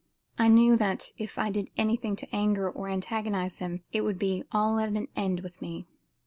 I knew that if I did anything to anger or to antagonize him, it would be all at an end with me.